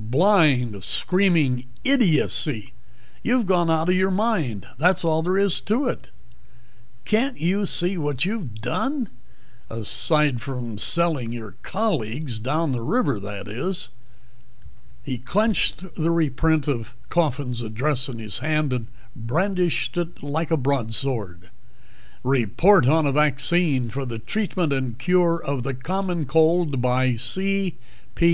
"Blind, screaming idiocy. You've gone out of your mind that's all there is to it. Can't you see what you've done? Aside from selling your colleagues down the river, that is?" He clenched the reprint of Coffin's address in his hand and brandished it like a broadsword. "'Report on a Vaccine for the Treatment and Cure of the Common Cold,' by C. P.